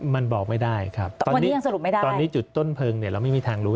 มันบอกไม่ได้ครับตอนนี้จุดต้นเพิงเราไม่มีทางรู้